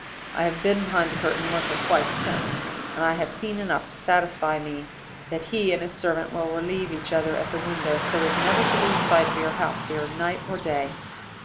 I have been behind the curtain once or twice since; and I have seen enough to satisfy me that he and his servant will relieve each other at the window, so as never to lose sight of your house here, night or day.